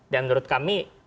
dan menurut kami